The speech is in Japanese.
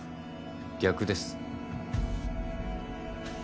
逆です。